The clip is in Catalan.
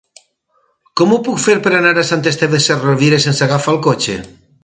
Com ho puc fer per anar a Sant Esteve Sesrovires sense agafar el cotxe?